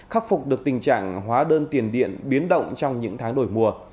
khắc phục được tình trạng hóa đơn tiền điện biến động trong những tháng đổi mùa